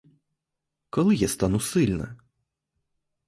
Коли я стану сильна?